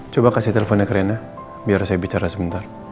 coba kasih teleponnya ke rena biar saya bicara sebentar